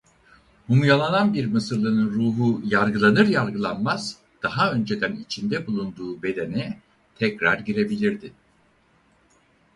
Mumyalanan bir Mısırlı'nın ruhu yargılanır yargılanmaz daha önceden içinde bulunduğu bedene tekrar girebilirdi.